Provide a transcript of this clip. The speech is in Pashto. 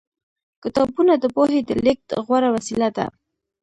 کتابونه د پوهې د لېږد غوره وسیله ده.